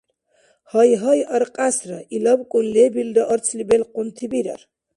Гьайгьай аркьясра, илабкӀун лебилра арцли белкъунти бирар.